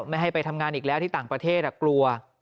ไม่ให้ไปทำงานอีกแล้วที่ต่างประเทศกลัว